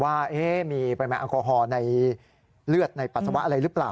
ว่ามีปริมาณแอลกอฮอล์ในเลือดในปัสสาวะอะไรหรือเปล่า